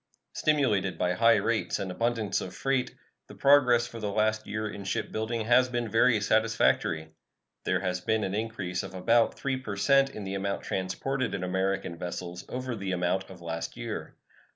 Stimulated by high rates and abundance of freight, the progress for the last year in shipbuilding has been very satisfactory. There has been an increase of about 3 per cent in the amount transported in American vessels over the amount of last year.